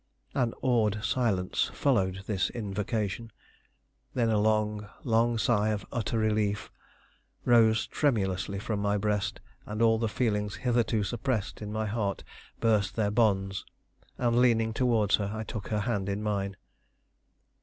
An awed silence followed this invocation; then a long, long sigh of utter relief rose tremulously from my breast, and all the feelings hitherto suppressed in my heart burst their bonds, and leaning towards her I took her hand in mine.